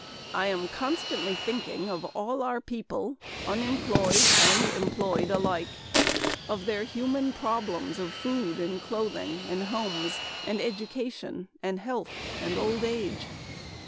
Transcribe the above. I am constantly thinking of all our people unemployed and employed alike of their human problems of food and clothing and homes and education and health and old age.